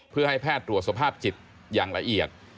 เพื่อให้แพทย์ตรวจสภาพจิตอย่างละเอียด